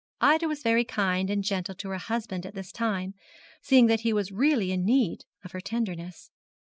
Ida was very kind and gentle to her husband at this time, seeing that he was really in need of her tenderness.